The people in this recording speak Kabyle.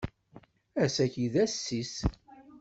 Ass-agi i d ass-is.